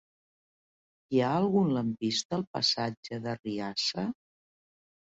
Hi ha algun lampista al passatge d'Arriassa?